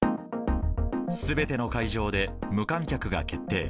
すべての会場で無観客が決定。